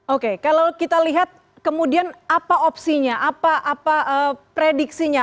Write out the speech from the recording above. oke kalau kita lihat kemudian apa opsinya apa prediksinya